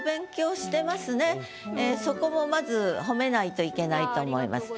そこもまず褒めないといけないと思います。